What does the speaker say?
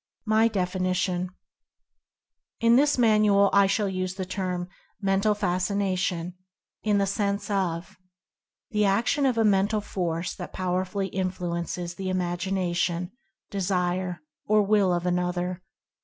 MY DEFINITION. In this manual I shall use the term "Mental Fas cination" is the sense of: The action of a Mental 7 8 Mental Fascination Force that powerfully influences the imagination, de sire, or will of another.